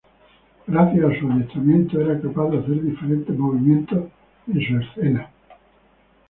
Gracias a su adiestramiento era capaz de hacer diferentes movimientos en sus escenas.